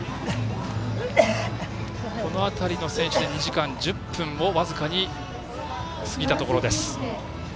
この辺りの選手、２時間１０分を僅かに過ぎたところです。